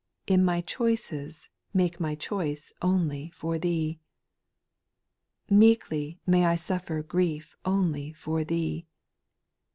In my choices make my choice Only for Thee. 4. Meekly may I suffer grief Only for Thee.